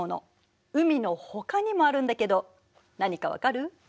海のほかにもあるんだけど何か分かる？